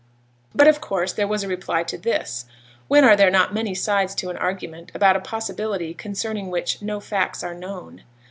But, of course, there was a reply to this; when are there not many sides to an argument about a possibility concerning which no facts are known?